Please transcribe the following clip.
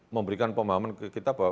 memberikan pemahaman ke kita